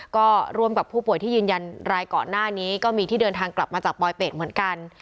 ก็ร่วมกับผู้ป่วยที่ยืนยันรายก่อนหน้านี้ก็มีที่เดินทางกลับมาจากปลอยเป็ดเหมือนกัน